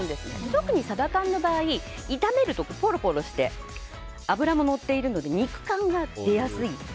特にサバ缶の場合炒めるとポロポロして脂ものっているので肉感が出やすい。